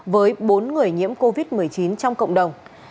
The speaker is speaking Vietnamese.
với bốn người nhiễm covid một mươi chín trong cộng đồng